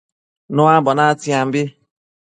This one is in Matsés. Nua natsiambi